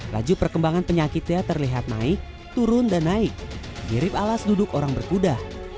laju perkembangan penyakitnya terlihat naik turun dan naik mirip alas duduk orang berkuda